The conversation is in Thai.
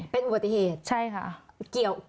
เป็นอุตส่ายเหตุใช่ค่ะเป็นอุตส่ายเหตุ